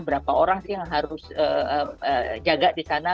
berapa orang sih yang harus jaga di sana